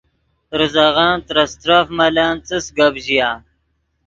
ریزغن ترے استرف ملن څس گپ ژیا